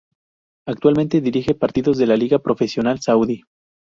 Actualmente dirige partidos de la Liga Profesional Saudí.